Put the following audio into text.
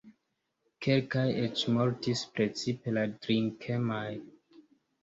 Kelkaj eĉ mortis, precipe la drinkemaj.